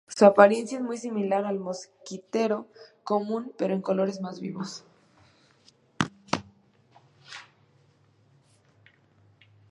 Su apariencia es muy similar al mosquitero común, pero de colores más vivos.